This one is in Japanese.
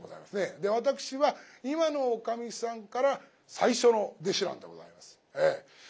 で私は今のおかみさんから最初の弟子なんでございます。